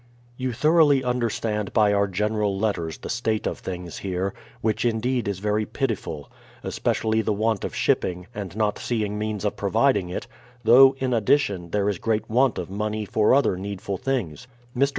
You thoroughly understand by our general letters the state of things here, which indeed is very pitiful ; especially the want of shipping, and not seeing means of providing it ; though, in addi tion, there is great want of money for other needful things. Mr.